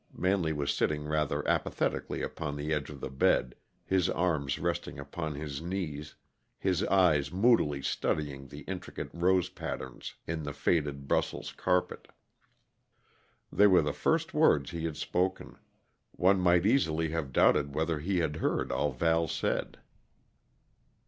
Manley was sitting rather apathetically upon the edge of the bed, his arms resting upon his knees, his eyes moodily studying the intricate rose pattern in the faded Brussels carpet. They were the first words he had spoken; one might easily have doubted whether he had heard all Val said.